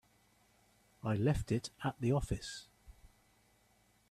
I left it at the office.